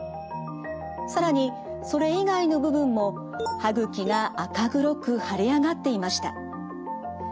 更にそれ以外の部分も歯ぐきが赤黒く腫れ上がっていました。